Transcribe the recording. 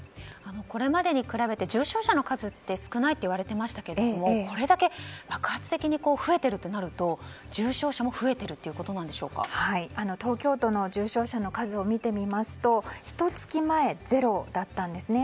これまでに比べて重症者の数って、少ないといわれていましたけれどもこれだけ爆発的に増えているとなると重症者も増えているという東京都の重症者の数を見てみますとひと月前、ゼロだったんですね。